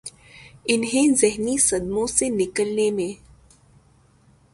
انہیں ذہنی صدموں سے نکلنے میں